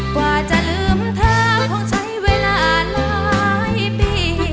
กว่าจะลืมเธอคงใช้เวลาหลายปี